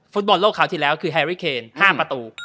สดยอดอยู่แล้วคือแฮรี่เคนห้าประตู